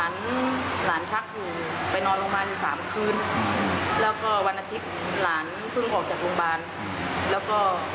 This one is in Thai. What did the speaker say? ย่าจะไปถ่ายของ